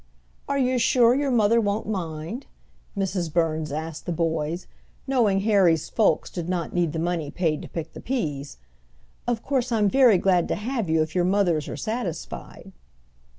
"Are you sure your mother won't mind?" Mrs. Burns asked the boys, knowing Harry's folks did not need the money paid to pick the peas. "Of course I'm very glad to have you if your mothers are satisfied."